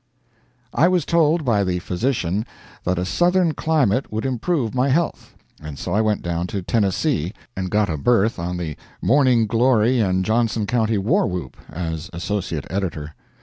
I was told by the physician that a Southern climate would improve my health, and so I went down to Tennessee, and got a berth on the Morning Glory and Johnson County War Whoop as associate editor.